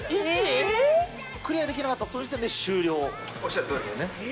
クリアできなかったらその時おっしゃるとおりです。